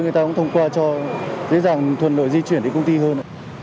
người ta cũng thông qua cho dễ dàng thuận lợi di chuyển đến công ty hơn ạ